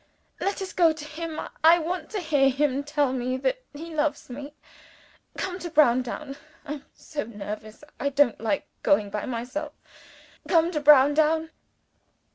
Let us go to him. I want to hear him tell me that he loves me. Come to Browndown. I'm so nervous, I don't like going by myself. Come to Browndown!"